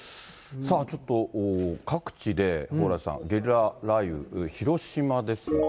さあ、ちょっと各地で蓬莱さん、ゲリラ雷雨、広島ですが。